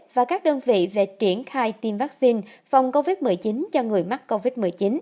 và các đơn vị về triển khai tiêm vaccine phòng covid một mươi chín cho người mắc covid một mươi chín